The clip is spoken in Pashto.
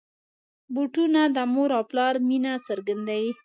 بوټونه د مور او پلار مینه څرګندوي.